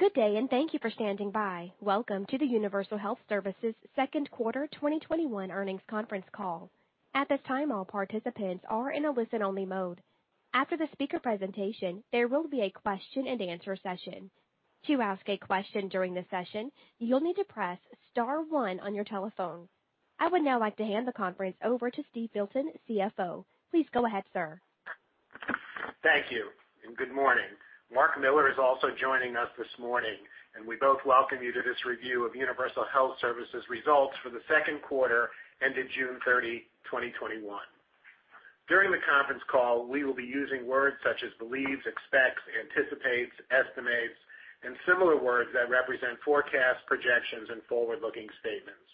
Good day, and thank you for standing by. Welcome to the Universal Health Services second quarter 2021 earnings conference call. At this time, all participants are in a listen-only mode. After the speaker presentation, there will be a question and answer session. To ask a question during the session, you'll need to press star one on your telephone. I would now like to hand the conference over to Steve Filton, CFO. Please go ahead, sir. Thank you, and good morning. Marc Miller is also joining us this morning, and we both welcome you to this review of Universal Health Services results for the second quarter ended June 30, 2021. During the conference call, we will be using words such as believes, expects, anticipates, estimates, and similar words that represent forecasts, projections, and forward-looking statements.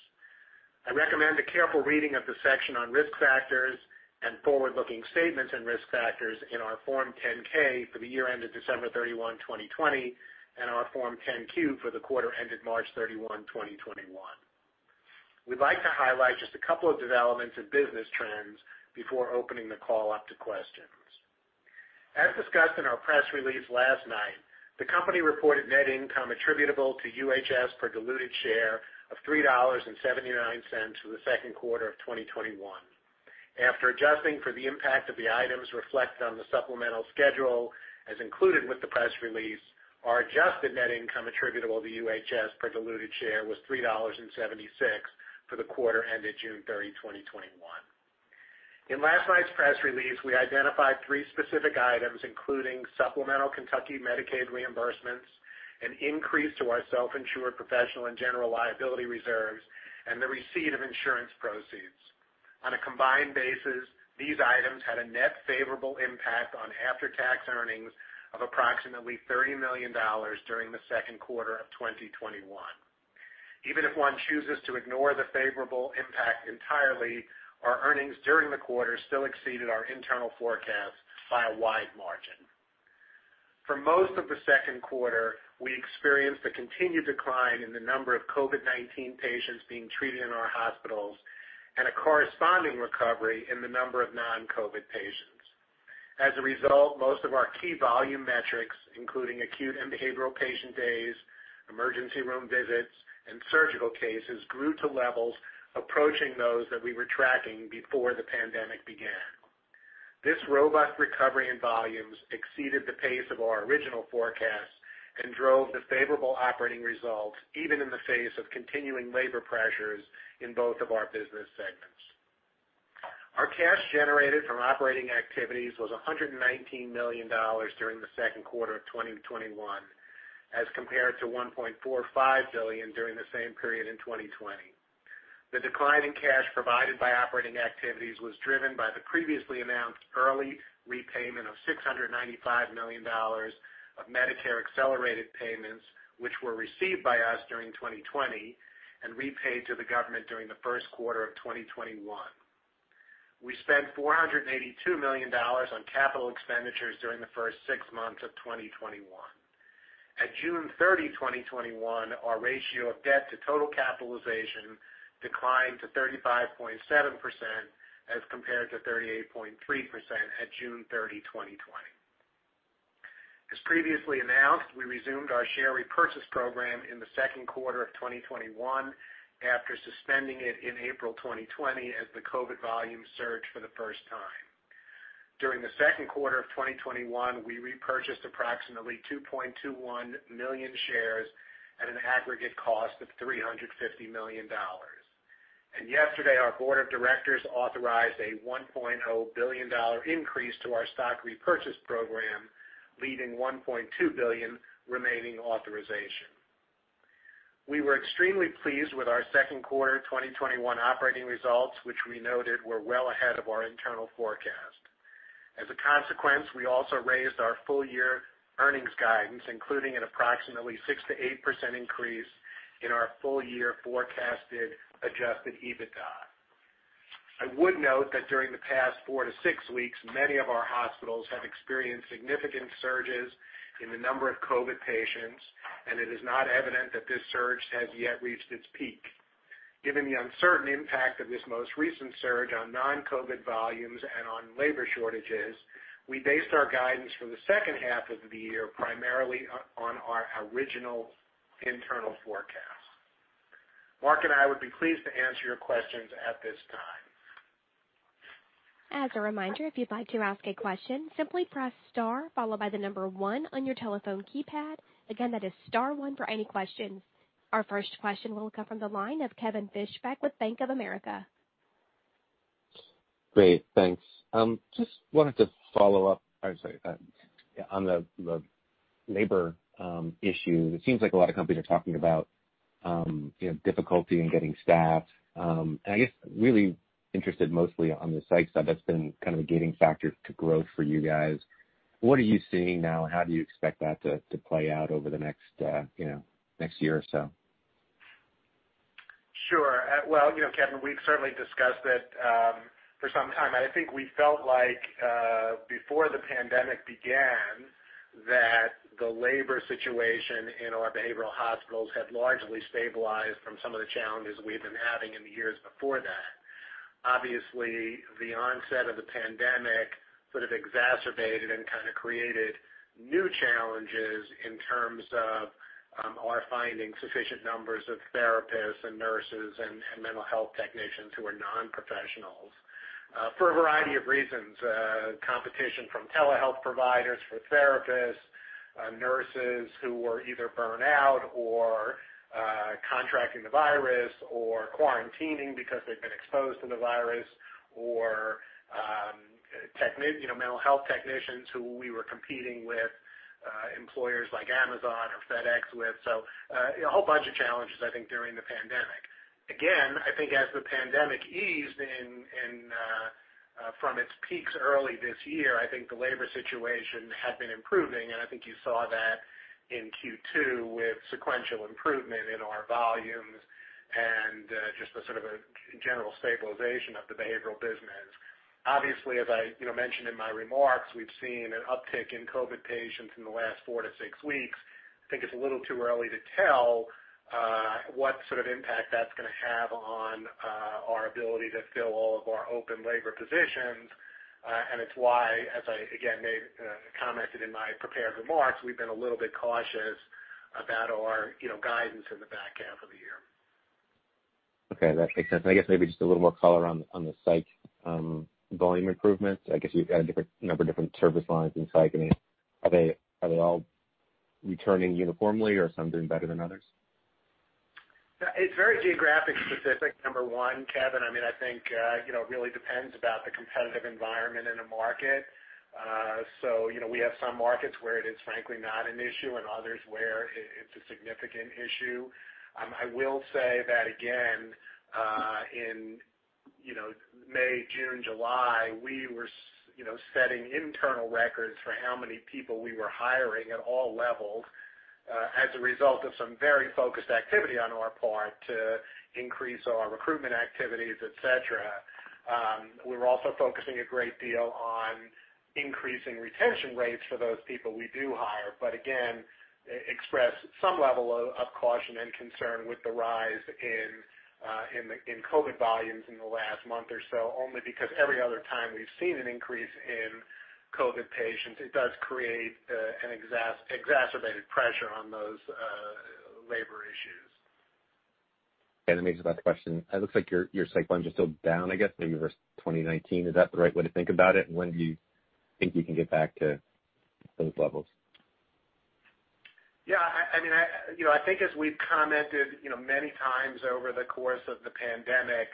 I recommend a careful reading of the section on risk factors and forward-looking statements and risk factors in our Form 10-K for the year ended December 31, 2020, and our Form 10-Q for the quarter ended March 31, 2021. We'd like to highlight just a couple of developments and business trends before opening the call up to questions. As discussed in our press release last night, the company reported net income attributable to UHS per diluted share of $3.79 for the second quarter of 2021. After adjusting for the impact of the items reflected on the supplemental schedule, as included with the press release, our adjusted net income attributable to UHS per diluted share was $3.76 for the quarter ended June 30, 2021. In last night's press release, we identified three specific items, including supplemental Kentucky Medicaid reimbursements, an increase to our self-insured professional and general liability reserves, and the receipt of insurance proceeds. On a combined basis, these items had a net favorable impact on after-tax earnings of approximately $30 million during the second quarter of 2021. Even if one chooses to ignore the favorable impact entirely, our earnings during the quarter still exceeded our internal forecast by a wide margin. For most of the second quarter, we experienced a continued decline in the number of COVID-19 patients being treated in our hospitals and a corresponding recovery in the number of non-COVID patients. As a result, most of our key volume metrics, including acute and behavioral patient days, emergency room visits, and surgical cases, grew to levels approaching those that we were tracking before the pandemic began. This robust recovery in volumes exceeded the pace of our original forecast and drove the favorable operating results, even in the face of continuing labor pressures in both of our business segments. Our cash generated from operating activities was $119 million during the second quarter of 2021 as compared to $1.45 billion during the same period in 2020. The decline in cash provided by operating activities was driven by the previously announced early repayment of $695 million of Medicare accelerated payments, which were received by us during 2020 and repaid to the government during the first quarter of 2021. We spent $482 million on capital expenditures during the first six months of 2021. At June 30, 2021, our ratio of debt to total capitalization declined to 35.7% as compared to 38.3% at June 30, 2020. As previously announced, we resumed our share repurchase program in the second quarter of 2021 after suspending it in April 2020 as the COVID volume surged for the first time. During the second quarter of 2021, we repurchased approximately 2.21 million shares at an aggregate cost of $350 million. Yesterday, our board of directors authorized a $1.0 billion increase to our stock repurchase program, leaving $1.2 billion remaining authorization. We were extremely pleased with our second quarter 2021 operating results, which we noted were well ahead of our internal forecast. As a consequence, we also raised our full year earnings guidance, including an approximately 6% to 8% increase in our full year forecasted adjusted EBITDA. I would note that during the past four to six weeks, many of our hospitals have experienced significant surges in the number of COVID patients, and it is not evident that this surge has yet reached its peak. Given the uncertain impact of this most recent surge on non-COVID volumes and on labor shortages, we based our guidance for the second half of the year primarily on our original internal forecast. Marc and I would be pleased to answer your questions at this time. As a reminder, if you'd like to ask a question, simply press star followed by one on your telephone keypad. Again, that is star one for any questions. Our first question will come from the line of Kevin Fischbeck with Bank of America. Great. Thanks. Just wanted to follow up on the labor issue. It seems like a lot of companies are talking about difficulty in getting staffed. I guess really interested mostly on the psych stuff. That's been kind of a gating factor to growth for you guys. What are you seeing now, and how do you expect that to play out over the next year or so? Sure. Well, Kevin, we've certainly discussed it for some time. I think we felt like before the pandemic began that the labor situation in our behavioral hospitals had largely stabilized from some of the challenges we had been having in the years before that. Obviously, the onset of the pandemic sort of exacerbated and kind of created new challenges in terms of our finding sufficient numbers of therapists and nurses and mental health technicians who are non-professionals for a variety of reasons, competition from telehealth providers for therapists, nurses who were either burnt out or contracting the virus or quarantining because they've been exposed to the virus, or mental health technicians who we were competing with employers like Amazon or FedEx with. A whole bunch of challenges, I think, during the pandemic. I think as the pandemic eased from its peaks early this year, I think the labor situation had been improving, and I think you saw that in Q2 with sequential improvement in our volumes and just the sort of a general stabilization of the behavioral business. Obviously, as I mentioned in my remarks, we've seen an uptick in COVID patients in the last four to six weeks. I think it's a little too early to tell what sort of impact that's going to have on our ability to fill all of our open labor positions. It's why, as I, again, commented in my prepared remarks, we've been a little bit cautious about our guidance in the back half of the year. Okay, that makes sense. I guess maybe just a little more color on the psych volume improvements. I guess you've got a number of different service lines in psych. Are they all returning uniformly or some doing better than others? It's very geographic specific, number one, Kevin. I think it really depends about the competitive environment in a market. We have some markets where it is frankly not an issue and others where it's a significant issue. I will say that again, in May, June, July, we were setting internal records for how many people we were hiring at all levels as a result of some very focused activity on our part to increase our recruitment activities, et cetera. We were also focusing a great deal on increasing retention rates for those people we do hire, again, express some level of caution and concern with the rise in COVID volumes in the last month or so, only because every other time we've seen an increase in COVID patients, it does create an exacerbated pressure on those labor issues. That leads to my question. It looks like your psych volumes are still down, I guess, maybe versus 2019. Is that the right way to think about it? When do you think you can get back to those levels? Yeah. I think as we've commented many times over the course of the pandemic,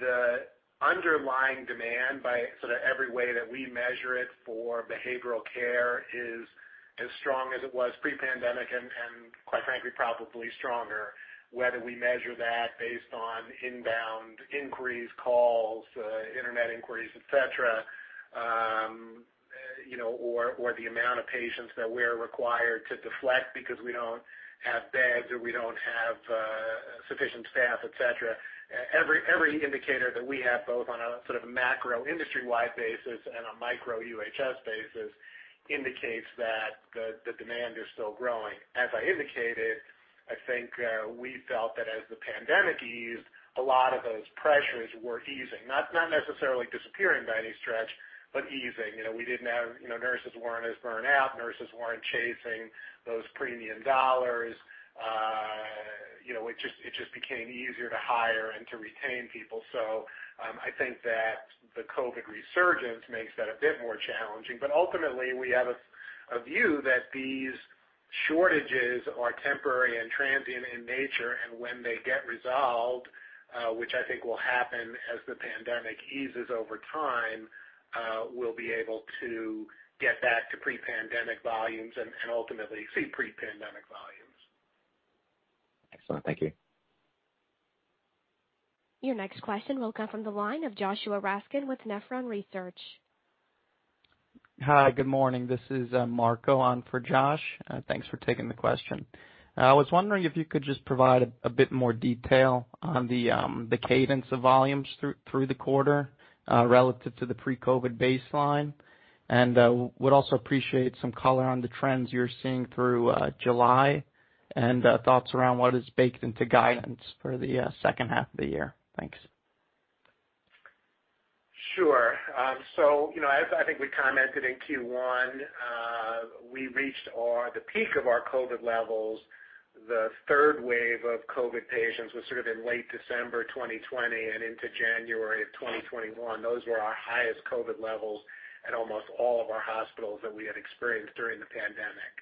the underlying demand by sort of every way that we measure it for behavioral care is as strong as it was pre-pandemic, and quite frankly, probably stronger. Whether we measure that based on inbound inquiries, calls, internet inquiries, et cetera, or the amount of patients that we're required to deflect because we don't have beds or we don't have sufficient staff, et cetera. Every indicator that we have, both on a sort of macro industry-wide basis and a micro UHS basis, indicates that the demand is still growing. As I indicated, I think we felt that as the pandemic eased, a lot of those pressures were easing. Not necessarily disappearing by any stretch, but easing. Nurses weren't as burnt out. Nurses weren't chasing those premium dollars. It just became easier to hire and to retain people. I think that the COVID resurgence makes that a bit more challenging. Ultimately, we have a view that these shortages are temporary and transient in nature, and when they get resolved, which I think will happen as the pandemic eases over time, we'll be able to get back to pre-pandemic volumes and ultimately see pre-pandemic volumes. Excellent. Thank you. Your next question will come from the line of Joshua Raskin with Nephron Research. Hi, good morning. This is Marco on for Josh. Thanks for taking the question. I was wondering if you could just provide a bit more detail on the cadence of volumes through the quarter relative to the pre-COVID baseline. Would also appreciate some color on the trends you're seeing through July and thoughts around what is baked into guidance for the second half of the year. Thanks. Sure. As I think we commented in Q1, we reached the peak of our COVID levels. The third wave of COVID patients was sort of in late December 2020 and into January of 2021. Those were our highest COVID levels at almost all of our hospitals that we had experienced during the pandemic.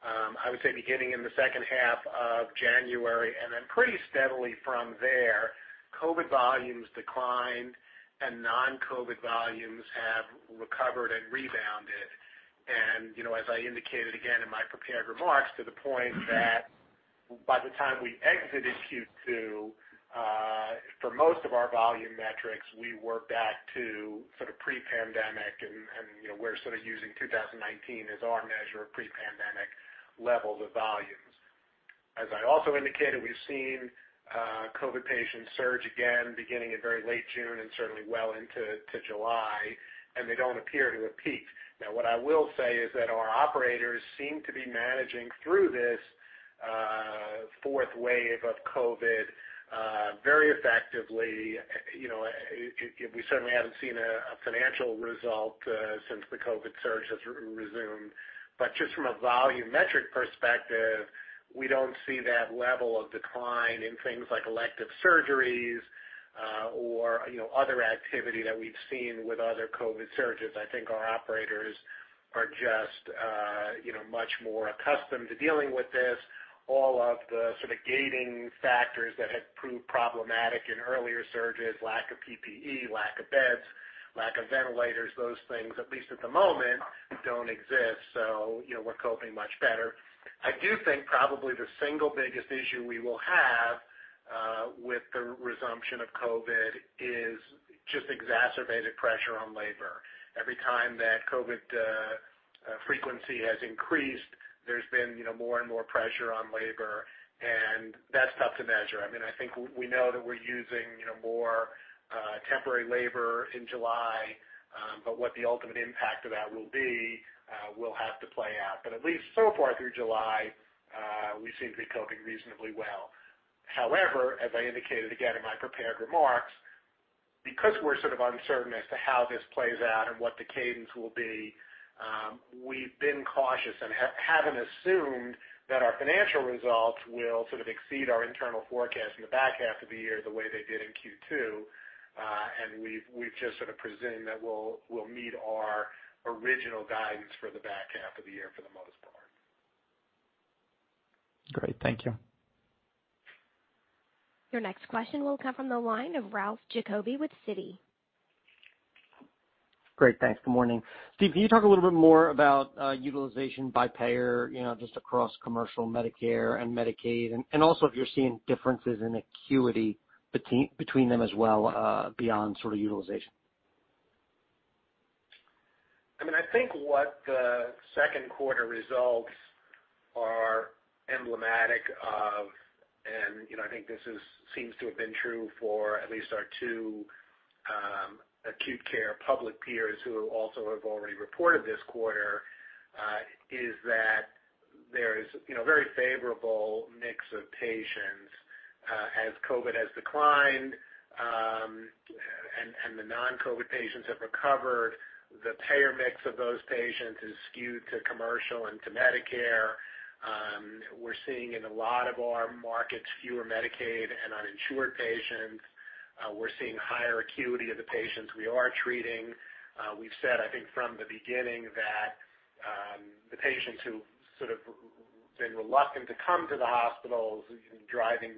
I would say beginning in the second half of January, and then pretty steadily from there, COVID volumes declined and non-COVID volumes have recovered and rebounded. As I indicated again in my prepared remarks, to the point that by the time we exited Q2, for most of our volume metrics, we were back to sort of pre-pandemic, and we're sort of using 2019 as our measure of pre-pandemic levels of volumes. As I also indicated, we've seen COVID patients surge again beginning in very late June and certainly well into July, and they don't appear to have peaked. What I will say is that our operators seem to be managing through this fourth wave of COVID very effectively. We certainly haven't seen a financial result since the COVID surge has resumed. Just from a volumetric perspective, we don't see that level of decline in things like elective surgeries or other activity that we've seen with other COVID surges. I think our operators are just much more accustomed to dealing with this. All of the sort of gating factors that had proved problematic in earlier surges, lack of PPE, lack of beds, lack of ventilators, those things, at least at the moment, don't exist. We're coping much better. I do think probably the single biggest issue we will have with the resumption of COVID is just exacerbated pressure on labor. Every time that COVID frequency has increased, there's been more and more pressure on labor, and that's tough to measure. I think we know that we're using more temporary labor in July. What the ultimate impact of that will be, will have to play out. At least so far through July, we seem to be coping reasonably well. However, as I indicated again in my prepared remarks, because we're sort of uncertain as to how this plays out and what the cadence will be, we've been cautious and haven't assumed that our financial results will sort of exceed our internal forecast in the back half of the year the way they did in Q2. We've just sort of presumed that we'll meet our original guidance for the back half of the year for the most part. Great. Thank you. Your next question will come from the line of Ralph Giacobbe with Citi. Great. Thanks. Good morning. Steve, can you talk a little bit more about utilization by payer, just across commercial Medicare and Medicaid, and also if you're seeing differences in acuity between them as well, beyond sort of utilization? I think what the second quarter results are emblematic of, and I think this seems to have been true for at least our two acute care public peers who also have already reported this quarter, is that there is very favorable mix of patients. As COVID has declined and the non-COVID patients have recovered, the payer mix of those patients is skewed to commercial and to Medicare. We're seeing in a lot of our markets fewer Medicaid and uninsured patients. We're seeing higher acuity of the patients we are treating. We've said, I think from the beginning, that the patients who sort of have been reluctant to come to the hospitals, driving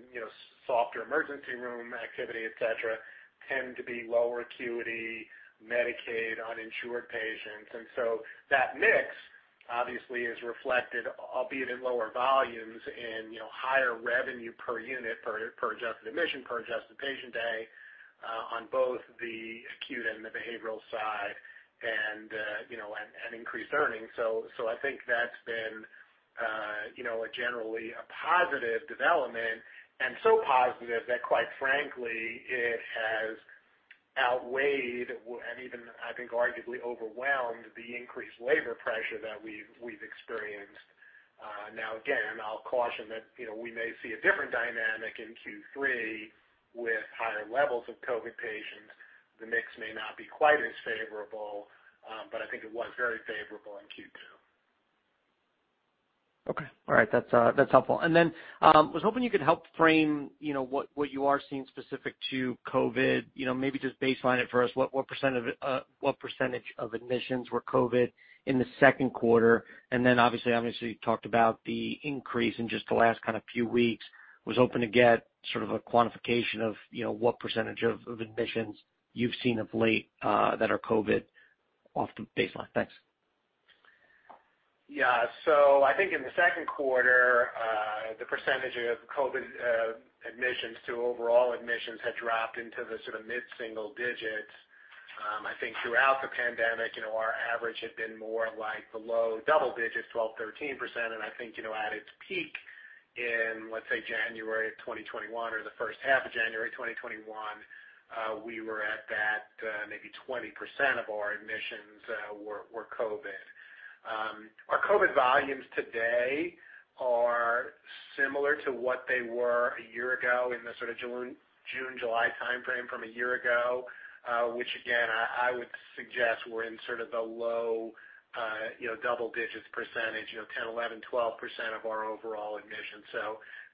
softer emergency room activity, et cetera, tend to be lower acuity, Medicaid, uninsured patients. That mix obviously is reflected, albeit in lower volumes, in higher revenue per unit, per adjusted admission, per adjusted patient day on both the acute and the behavioral side, and increased earnings. I think that's been generally a positive development and so positive that quite frankly, it has outweighed and even, I think, arguably overwhelmed the increased labor pressure that we've experienced. Again, I'll caution that we may see a different dynamic in Q3 with higher levels of COVID patients. The mix may not be quite as favorable, but I think it was very favorable in Q2. Okay. All right. That's helpful. I was hoping you could help frame what you are seeing specific to COVID. Maybe just baseline it for us, what percentage of admissions were COVID in the second quarter? Obviously, you talked about the increase in just the last kind of few weeks. I was hoping to get sort of a quantification of what percentage of admissions you've seen of late that are COVID off the baseline. Thanks. Yeah. I think in the second quarter, the percentage of COVID admissions to overall admissions had dropped into the sort of mid-single digits. I think throughout the pandemic, our average had been more like the low double-digits, 12%, 13%. I think, at its peak in, let's say, January of 2021 or the first half of January 2021, we were at that maybe 20% of our admissions were COVID. Our COVID volumes today are similar to what they were a year ago in the sort of June, July timeframe from a year ago, which again, I would suggest we're in sort of the low double-digits percentage, 10%, 11%, 12% of our overall admissions.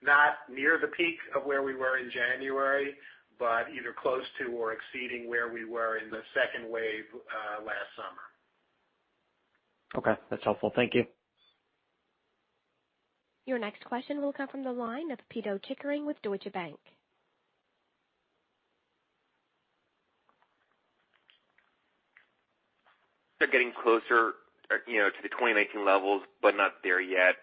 Not near the peak of where we were in January, but either close to or exceeding where we were in the second wave last summer. Okay. That's helpful. Thank you. Your next question will come from the line of Pito Chickering with Deutsche Bank. They're getting closer to the 2019 levels, but not there yet.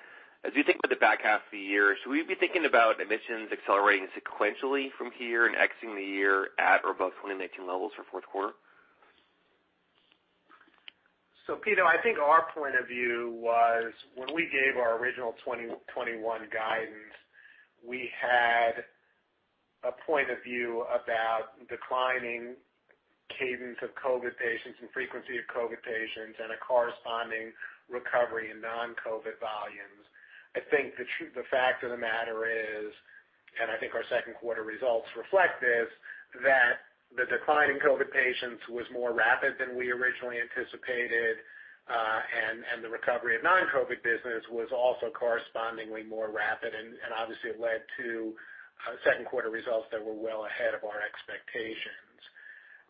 As you think about the back half of the year, should we be thinking about admissions accelerating sequentially from here and exiting the year at or above 2019 levels for fourth quarter? Pito, I think our point of view was when we gave our original 2021 guidance, we had a point of view about declining cadence of COVID patients and frequency of COVID patients, and a corresponding recovery in non-COVID volumes. I think the fact of the matter is, and I think our second quarter results reflect this, that the decline in COVID patients was more rapid than we originally anticipated, and the recovery of non-COVID business was also correspondingly more rapid, and obviously it led to second quarter results that were well ahead of our expectations.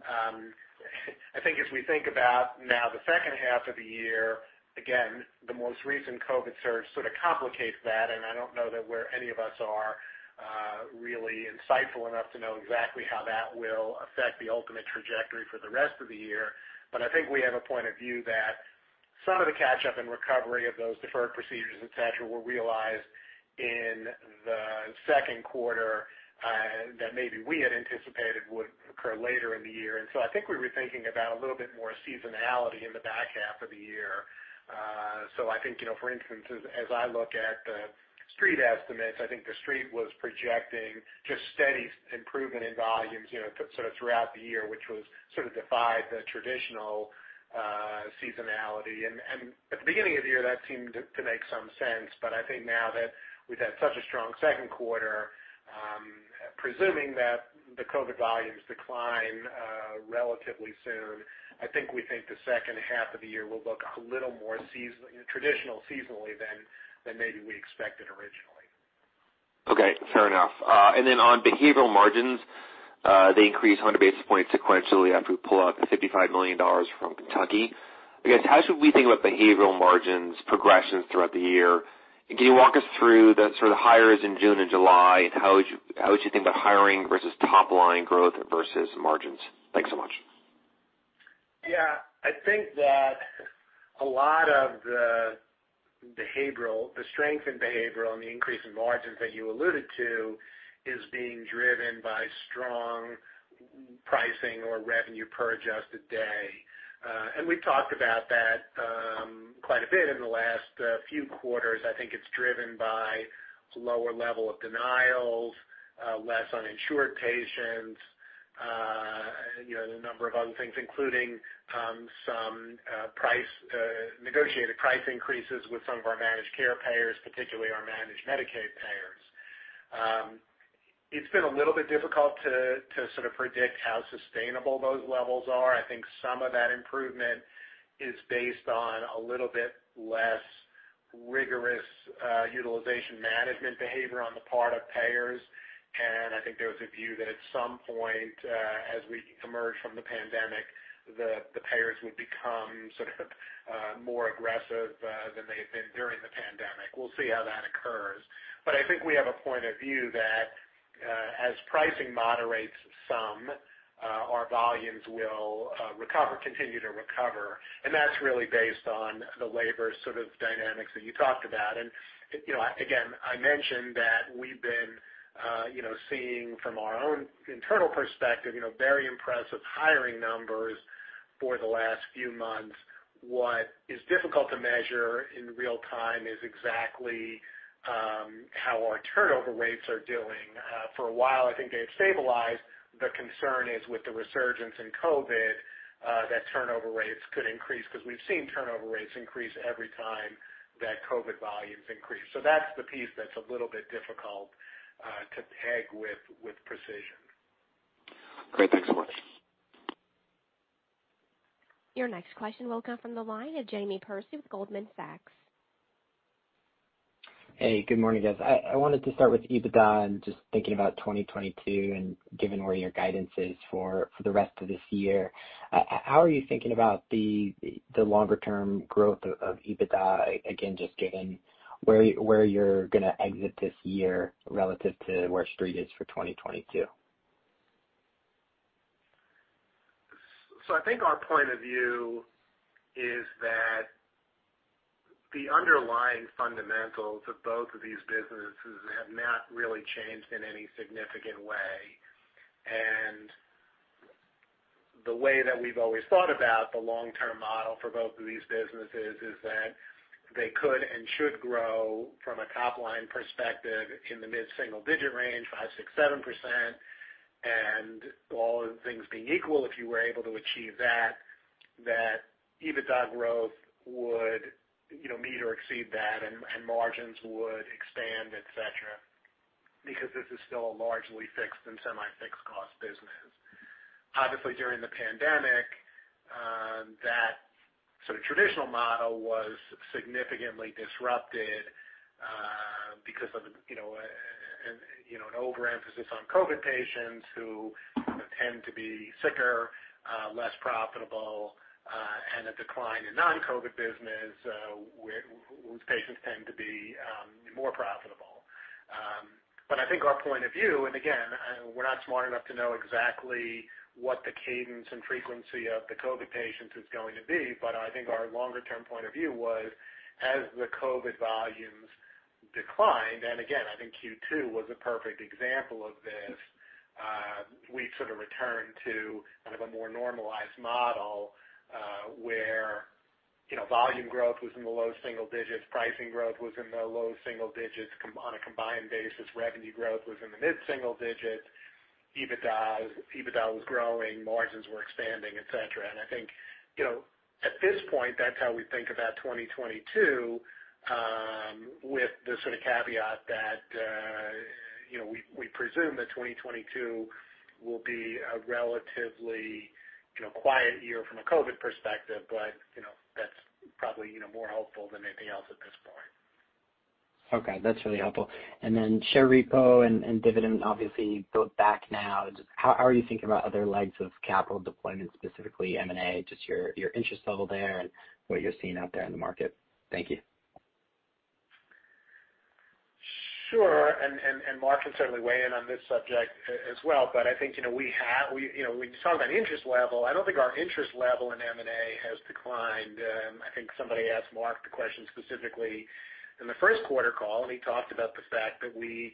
I think as we think about now the second half of the year, again, the most recent COVID surge sort of complicates that, and I don't know that where any of us are really insightful enough to know exactly how that will affect the ultimate trajectory for the rest of the year. I think we have a point of view that some of the catch-up and recovery of those deferred procedures, et cetera, were realized in the second quarter, that maybe we had anticipated would occur later in the year. I think we were thinking about a little bit more seasonality in the back half of the year. I think, for instance, as I look at the Street estimates, I think the Street was projecting just steady improvement in volumes, sort of throughout the year, which was sort of defied the traditional seasonality. At the beginning of the year, that seemed to make some sense. I think now that we've had such a strong second quarter, presuming that the COVID volumes decline relatively soon, I think we think the second half of the year will look a little more traditional seasonally than maybe we expected originally. Okay, fair enough. On behavioral margins, they increased 100 basis points sequentially after we pull out $55 million from Kentucky. I guess, how should we think about behavioral margins progressions throughout the year? Can you walk us through the sort of hires in June and July, and how should you think about hiring versus top-line growth versus margins? Thanks so much. Yeah. I think that a lot of the strength in behavioral and the increase in margins that you alluded to is being driven by strong pricing or revenue per adjusted day. We've talked about that quite a bit in the last few quarters. I think it's driven by lower level of denials, less uninsured patients, the number of other things, including some negotiated price increases with some of our managed care payers, particularly our managed Medicaid payers. It's been a little bit difficult to sort of predict how sustainable those levels are. I think some of that improvement is based on a little bit less rigorous utilization management behavior on the part of payers. I think there was a view that at some point, as we emerge from the pandemic, the payers would become sort of more aggressive than they had been during the pandemic. We'll see how that occurs. I think we have a point of view that, as pricing moderates some, our volumes will continue to recover, and that's really based on the labor sort of dynamics that you talked about. Again, I mentioned that we've been seeing from our own internal perspective, very impressive hiring numbers for the last few months. What is difficult to measure in real time is exactly how our turnover rates are doing. For a while, I think they've stabilized. The concern is with the resurgence in COVID, that turnover rates could increase, because we've seen turnover rates increase every time that COVID volumes increase. That's the piece that's a little bit difficult to peg with precision. Great. Thanks so much. Your next question will come from the line of Jamie Perse with Goldman Sachs. Hey, good morning, guys. I wanted to start with EBITDA and just thinking about 2022 and given where your guidance is for the rest of this year. How are you thinking about the longer-term growth of EBITDA, again, just given where you're going to exit this year relative to where Street is for 2022? I think our point of view is that the underlying fundamentals of both of these businesses have not really changed in any significant way. The way that we've always thought about the long-term model for both of these businesses is that they could and should grow from a top-line perspective in the mid single-digit range, 5%, 6%, 7%. All other things being equal, if you were able to achieve that EBITDA growth would meet or exceed that, and margins would expand, et cetera, because this is still a largely fixed and semi-fixed cost business. Obviously, during the pandemic, that sort of traditional model was significantly disrupted because of an overemphasis on COVID patients who tend to be sicker, less profitable, and a decline in non-COVID business whose patients tend to be more profitable. I think our point of view, and again, we're not smart enough to know exactly what the cadence and frequency of the COVID patients is going to be. I think our longer-term point of view was, as the COVID volumes declined, and again, I think Q2 was a perfect example of this, we've sort of returned to kind of a more normalized model where volume growth was in the low single-digits. Pricing growth was in the low single digits. On a combined basis, revenue growth was in the mid single-digits. EBITDA was growing, margins were expanding, et cetera. I think, at this point, that's how we think about 2022, with the sort of caveat that we presume that 2022 will be a relatively quiet year from a COVID perspective, but that's probably more hopeful than anything else at this point. Okay, that's really helpful. Share repo and dividend, obviously, both back now. How are you thinking about other legs of capital deployment, specifically M&A, just your interest level there and what you're seeing out there in the market? Thank you. Sure, and Marc can certainly weigh in on this subject as well. I think when you talk about interest level, I don't think our interest level in M&A has declined. I think somebody asked Marc the question specifically in the first quarter call, and he talked about the fact that we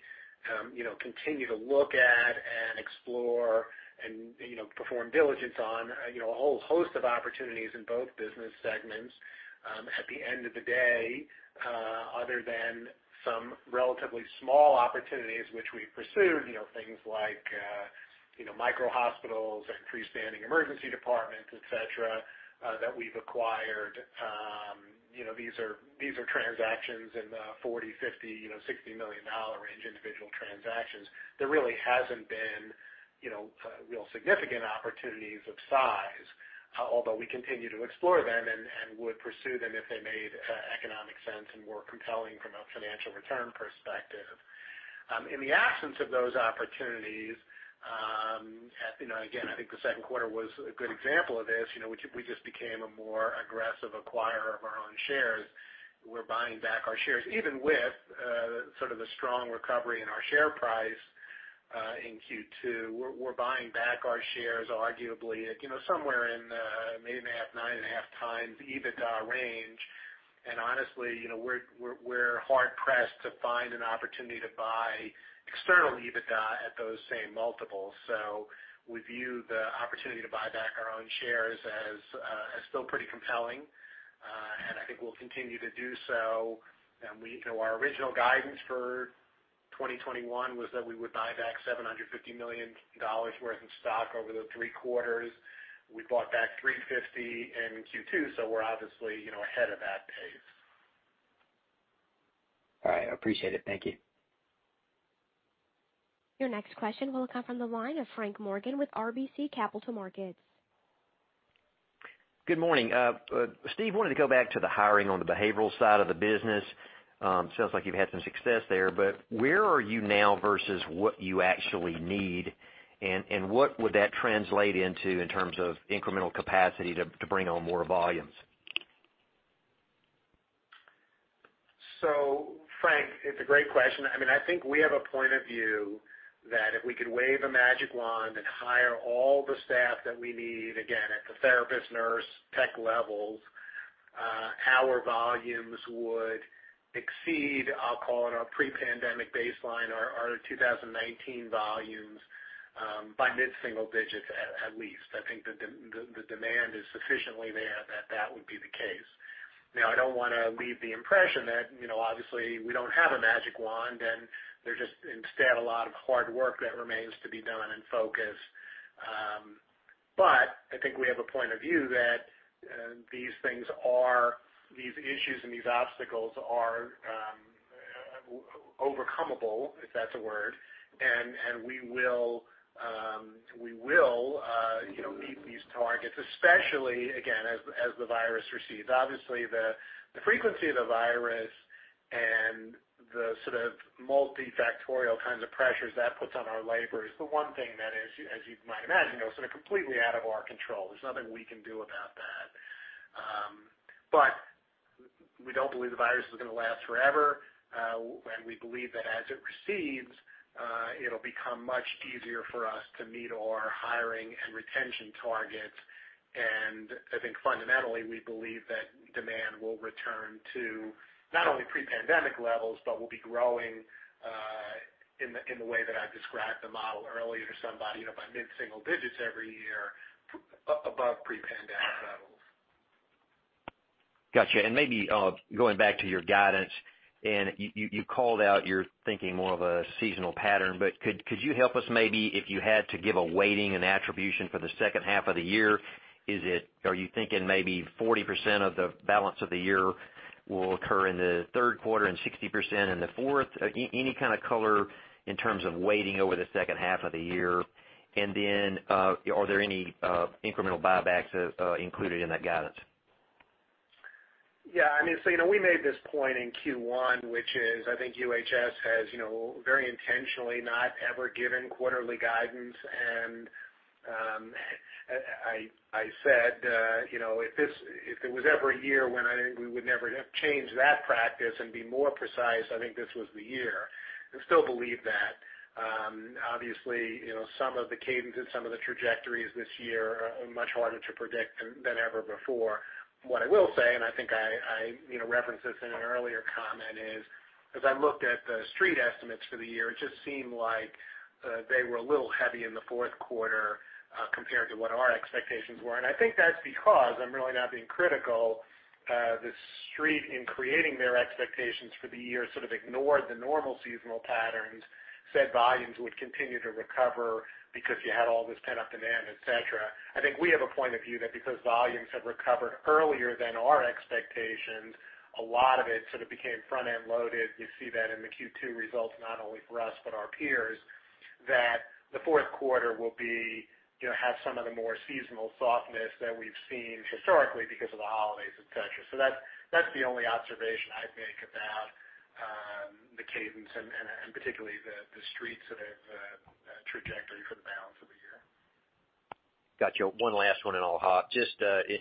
continue to look at and explore and perform diligence on a whole host of opportunities in both business segments. At the end of the day, other than some relatively small opportunities which we pursued, things like micro-hospitals and freestanding emergency departments, et cetera, that we've acquired. These are transactions in the $40 million, $50 million, $60 million range, individual transactions. There really hasn't been real significant opportunities of size, although we continue to explore them and would pursue them if they made economic sense and were compelling from a financial return perspective. In the absence of those opportunities, again, I think the second quarter was a good example of this. We just became a more aggressive acquirer of our own shares. We're buying back our shares. Even with sort of the strong recovery in our share price in Q2, we're buying back our shares arguably at somewhere in the 8.5x, 9.5x EBITDA range. Honestly, we're hard pressed to find an opportunity to buy external EBITDA at those same multiples. We view the opportunity to buy back our own shares as still pretty compelling. I think we'll continue to do so. Our original guidance for 2021 was that we would buy back $750 million worth of stock over the three quarters. We bought back $350 million in Q2, so we're obviously ahead of that pace. All right. I appreciate it. Thank you. Your next question will come from the line of Frank Morgan with RBC Capital Markets. Good morning. Steve, I wanted to go back to the hiring on the behavioral side of the business. Sounds like you've had some success there. Where are you now versus what you actually need, and what would that translate into in terms of incremental capacity to bring on more volumes? Frank, it's a great question. I think we have a point of view that if we could wave a magic wand and hire all the staff that we need, again, at the therapist, nurse, tech levels, our volumes would exceed, I'll call it our pre-pandemic baseline, our 2019 volumes, by mid single-digits at least. I think the demand is sufficiently there that that would be the case. I don't want to leave the impression that obviously, we don't have a magic wand, and there's just instead a lot of hard work that remains to be done and focus. I think we have a point of view that these things are, these issues and these obstacles are overcomable, if that's a word, and we will meet these targets, especially, again, as the virus recedes. Obviously, the frequency of the virus and the sort of multifactorial kinds of pressures that puts on our labor is the one thing that is, as you might imagine, sort of completely out of our control. There's nothing we can do about that. We don't believe the virus is going to last forever. We believe that as it recedes, it'll become much easier for us to meet our hiring and retention targets. I think fundamentally, we believe that demand will return to not only pre-pandemic levels, but will be growing in the way that I described the model earlier to somebody, by mid single-digits every year, above pre-pandemic levels. Got you. Maybe going back to your guidance, and you called out you're thinking more of a seasonal pattern. Could you help us maybe if you had to give a weighting and attribution for the second half of the year? Are you thinking maybe 40% of the balance of the year will occur in the third quarter and 60% in the fourth? Any kind of color in terms of weighting over the second half of the year? Are there any incremental buybacks included in that guidance? Yeah. We made this point in Q1, which is, I think UHS has very intentionally not ever given quarterly guidance. I said if there was ever a year when we would never change that practice and be more precise, I think this was the year, and still believe that. Obviously, some of the cadence and some of the trajectories this year are much harder to predict than ever before. What I will say, and I think I referenced this in an earlier comment is, as I looked at the street estimates for the year, it just seemed like they were a little heavy in the fourth quarter, compared to what our expectations were. I think that's because, I'm really not being critical, the street in creating their expectations for the year sort of ignored the normal seasonal patterns, said volumes would continue to recover because you had all this pent-up demand, et cetera. I think we have a point of view that because volumes have recovered earlier than our expectations, a lot of it sort of became front-end loaded. You see that in the Q2 results, not only for us, but our peers, that the fourth quarter will have some of the more seasonal softness than we've seen historically because of the holidays, et cetera. That's the only observation I'd make about the cadence and particularly the street sort of trajectory for the balance of the year. Got you. One last one and I'll hop. Just,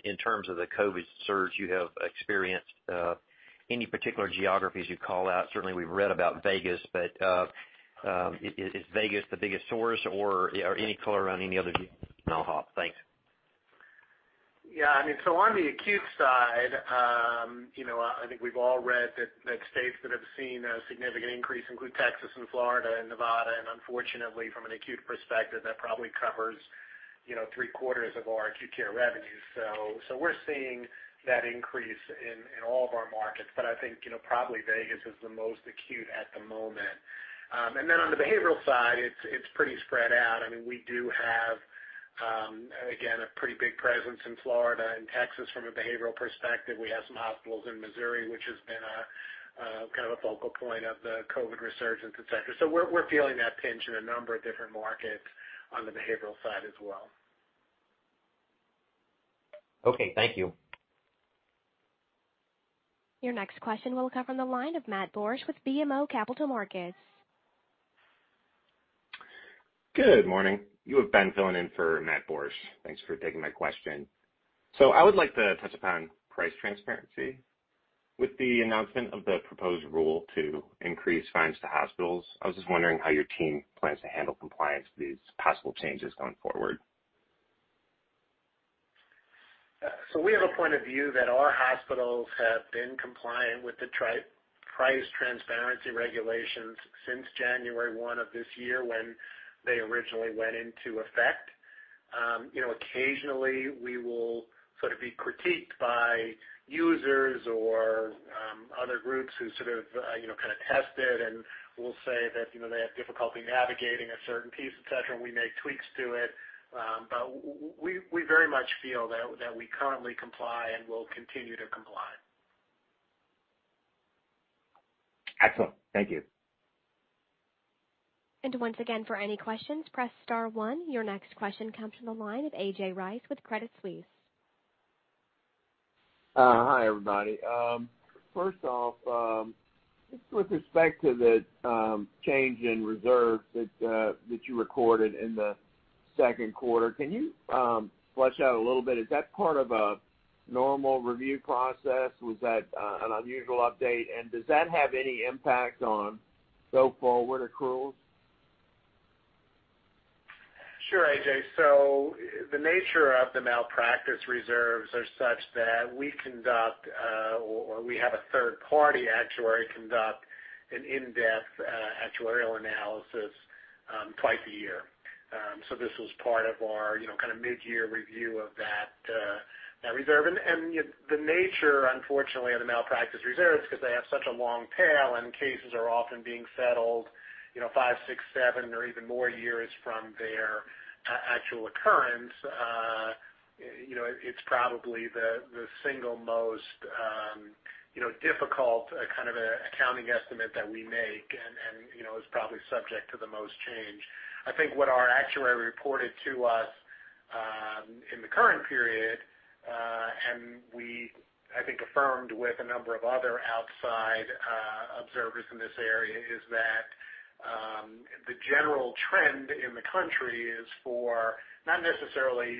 in terms of the COVID surge you have experienced, any particular geographies you'd call out? Certainly, we've read about Vegas. Is Vegas the biggest source or any color around any other? Thanks. On the acute side, I think we've all read that states that have seen a significant increase include Texas and Florida and Nevada. Unfortunately, from an acute perspective, that probably covers three-quarters of our acute care revenue. We're seeing that increase in all of our markets. I think, probably Vegas is the most acute at the moment. On the behavioral side, it's pretty spread out. We do have, again, a pretty big presence in Florida and Texas from a behavioral perspective. We have some hospitals in Missouri, which has been kind of a focal point of the COVID resurgence, et cetera. We're feeling that pinch in a number of different markets on the behavioral side as well. Okay. Thank you. Your next question will come from the line of Matt Borsch with BMO Capital Markets. Good morning. You have Ben filling in for Matt Borsch. Thanks for taking my question. I would like to touch upon price transparency. With the announcement of the proposed rule to increase fines to hospitals, I was just wondering how your team plans to handle compliance with these possible changes going forward. We have a point of view that our hospitals have been compliant with the price transparency regulations since January 1 of this year when they originally went into effect. Occasionally, we will sort of be critiqued by users or other groups who sort of test it and will say that they have difficulty navigating a certain piece, et cetera, and we make tweaks to it. We very much feel that we currently comply and will continue to comply. Excellent. Thank you. Once again, for any questions, press star one. Your next question comes from the line of A.J. Rice with Credit Suisse. Hi, everybody. First off, just with respect to the change in reserve that you recorded in the second quarter, can you flesh out a little bit? Is that part of a normal review process? Was that an unusual update, and does that have any impact on go-forward accruals? Sure, A.J. The nature of the malpractice reserves are such that we conduct, or we have a third party actuary conduct an in-depth actuarial analysis twice a year. This was part of our mid-year review of that reserve. The nature, unfortunately, of the malpractice reserve is because they have such a long tail and cases are often being settled five, six, seven or even more years from their actual occurrence. It's probably the single most difficult kind of accounting estimate that we make and is probably subject to the most change. I think what our actuary reported to us, in the current period, and we, I think, affirmed with a number of other outside observers in this area, is that the general trend in the country is for, not necessarily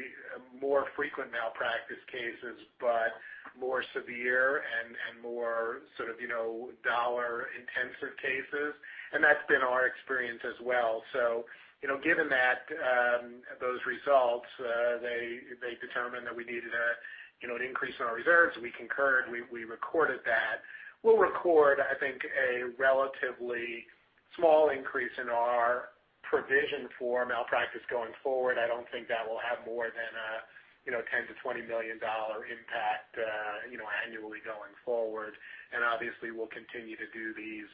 more frequent malpractice cases, but more severe and more sort of dollar-intensive cases, and that's been our experience as well. Given those results, they determined that we needed an increase in our reserves. We concurred. We recorded that. We'll record, I think, a relatively small increase in our provision for malpractice going forward. I don't think that will have more than a $10 million-$20 million impact annually going forward. Obviously, we'll continue to do these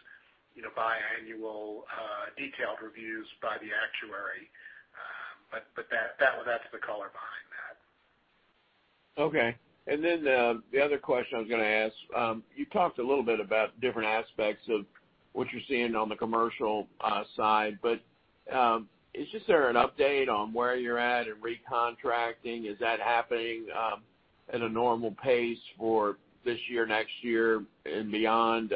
biannual detailed reviews by the actuary. That's the color behind that. Okay. The other question I was going to ask, you talked a little bit about different aspects of what you're seeing on the commercial side. Is just there an update on where you're at in recontracting? Is that happening at a normal pace for this year, next year, and beyond?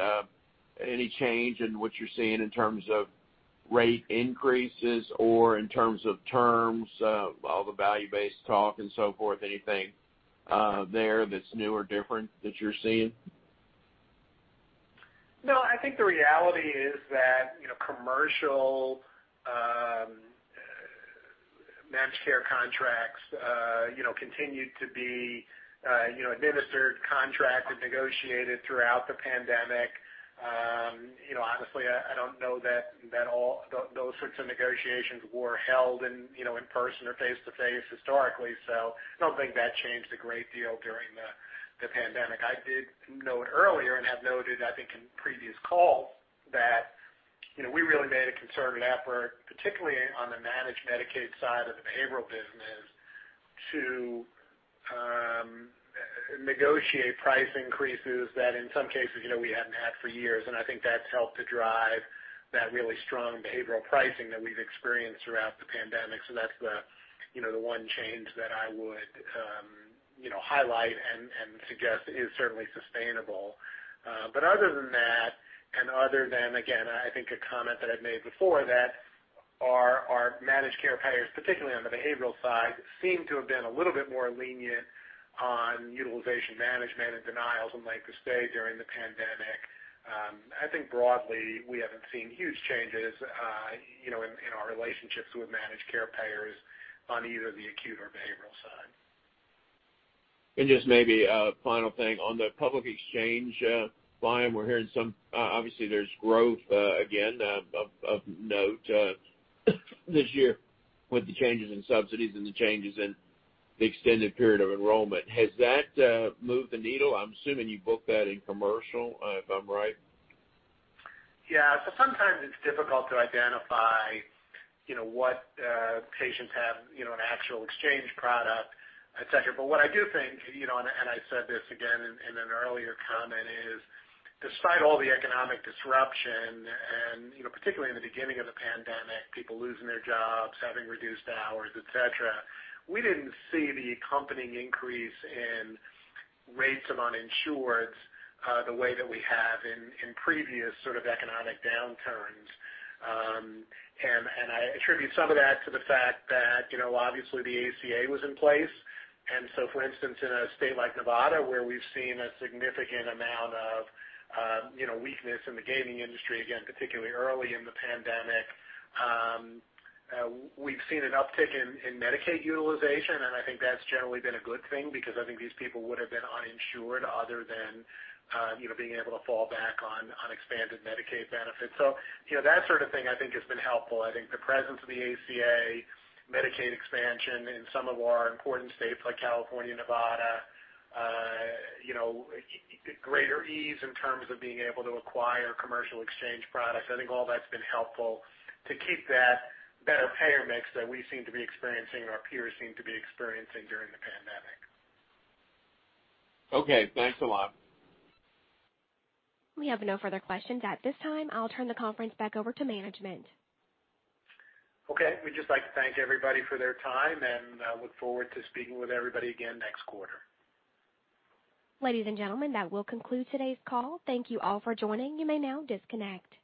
Any change in what you're seeing in terms of rate increases or in terms of terms? All the value-based talk and so forth, anything there that's new or different that you're seeing? No, I think the reality is that commercial managed care contracts continued to be administered, contracted, negotiated throughout the pandemic. Honestly, I don't know that all those sorts of negotiations were held in person or face-to-face historically. I don't think that changed a great deal during the pandemic. I did note earlier, and have noted, I think, in previous calls that we really made a concerted effort, particularly on the managed Medicaid side of the behavioral business, to negotiate price increases that in some cases, we hadn't had for years. I think that's helped to drive that really strong behavioral pricing that we've experienced throughout the pandemic. That's the one change that I would highlight and suggest is certainly sustainable. Other than that, and other than, again, I think a comment that I've made before, that our managed care payers, particularly on the behavioral side, seem to have been a little bit more lenient on utilization management and denials and length of stay during the pandemic. I think broadly, we haven't seen huge changes in our relationships with managed care payers on either the acute or behavioral side. Just maybe a final thing. On the public exchange, we're hearing some, obviously there's growth again of note this year with the changes in subsidies and the changes in the extended period of enrollment. Has that moved the needle? I'm assuming you book that in commercial, if I'm right. Yeah. Sometimes it's difficult to identify what patients have an actual exchange product, et cetera. What I do think, and I said this again in an earlier comment, is despite all the economic disruption and particularly in the beginning of the pandemic, people losing their jobs, having reduced hours, et cetera, we didn't see the accompanying increase in rates of uninsured the way that we have in previous sort of economic downturns. I attribute some of that to the fact that, obviously the ACA was in place, for instance, in a state like Nevada, where we've seen a significant amount of weakness in the gaming industry, again, particularly early in the pandemic. We've seen an uptick in Medicaid utilization. I think that's generally been a good thing because I think these people would have been uninsured other than being able to fall back on expanded Medicaid benefits. That sort of thing I think has been helpful. I think the presence of the ACA, Medicaid expansion in some of our important states like California, Nevada, greater ease in terms of being able to acquire commercial exchange products. I think all that's been helpful to keep that better payer mix that we seem to be experiencing and our peers seem to be experiencing during the pandemic. Okay, thanks a lot. We have no further questions at this time. I'll turn the conference back over to management. Okay. We'd just like to thank everybody for their time, and I look forward to speaking with everybody again next quarter. Ladies and gentlemen, that will conclude today's call. Thank you all for joining. You may now disconnect.